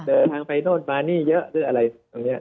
เดินทางไปโน่นมานี่เยอะหรืออะไรตรงนี้